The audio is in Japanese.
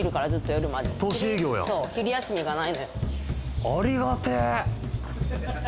そう昼休みがないのよ